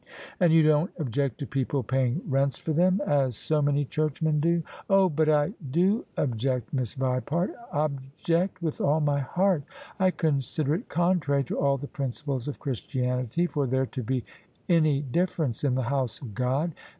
" And you don't object to people paying rents for them, as so many churchmen do ?" "Oh I but I do object. Miss Vipart — object with all my heart. I consider it contrary to all the principles of Chris tianity for there to be any difference in the House of God.